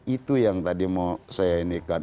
itu yang tadi mau saya inikan